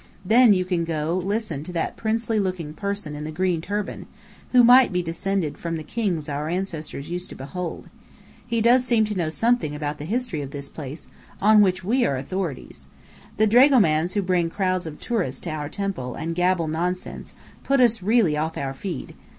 Then you can go listen to that princely looking person in the green turban, who might be descended from the kings our ancestors used to behold. He does seem to know something about the history of this place, on which we are authorities! The dragomans who bring crowds of tourists to our temple and gabble nonsense, put us really off our feed.